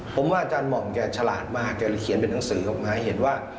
ผมว่าอาจารย์หม่องแกฉลาดมากแกเลยเขียนเป็นหนังสือออกมาให้เห็นว่า